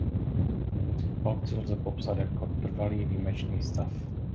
Celou situaci lze popsat jako trvalý výjimečný stav.